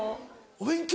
お勉強？